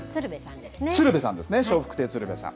鶴瓶さんですね、笑福亭鶴瓶さん。